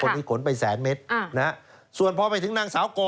ขนไปแสนเมตรส่วนพอไปถึงนางสาวกอ